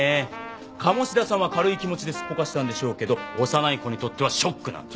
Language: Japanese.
鴨志田さんは軽い気持ちですっぽかしたんでしょうけど幼い子にとってはショックなんです。